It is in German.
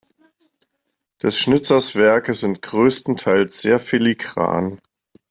Des Schnitzers Werke sind größtenteils sehr filigran.